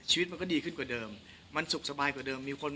ชีวิตมันก็ดีขึ้นกว่าเดิมมันสุขสบายกว่าเดิมมีคน